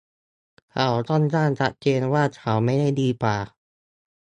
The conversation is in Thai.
เขาค่อนข้างชัดเจนว่าเขาไม่ได้ดีกว่า